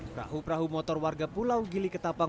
prahu prahu motor warga pulau gili ketapang